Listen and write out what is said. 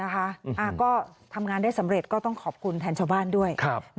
ก็ทำงานได้สำเร็จก็ต้องขอบคุณแทนชาวบ้านด้วย